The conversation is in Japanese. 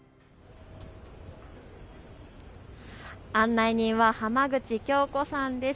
案内人は浜口京子さんです。